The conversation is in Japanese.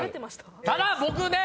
ただ僕ね